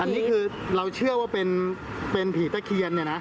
อันนี้คือเราเชื่อว่าเป็นผีตะเคียนเนี่ยนะ